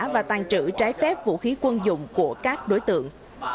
và tàn trữ trái phép vũ khí quân dụng của các đối tượng